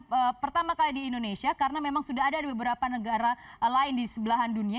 ini pertama kali di indonesia karena memang sudah ada beberapa negara lain di sebelahan dunia